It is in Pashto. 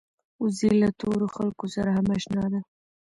وزې له تورو خلکو سره هم اشنا ده